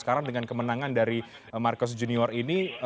sekarang dengan kemenangan dari marcos junior ini